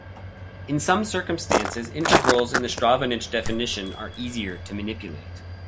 In some circumstances, integrals in the Stratonovich definition are easier to manipulate.